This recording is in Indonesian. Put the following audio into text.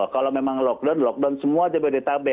kalau memang lockdown lockdown semua jabodetabek